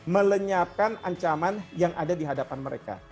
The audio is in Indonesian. melenyapkan ancaman yang ada di hadapan mereka